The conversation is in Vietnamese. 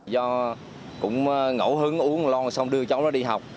do cũng ngẫu hứng uống lon xong đưa cháu nó đi học